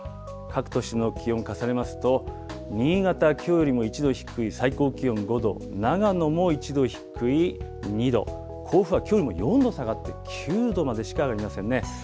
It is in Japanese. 各都市の気温重ねますと、新潟、きょうよりも１度低い最高気温５度、長野も１度低い２度、甲府はきょうよりも４度下がって９度までしか上がりませんね。